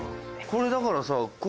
これだからさ。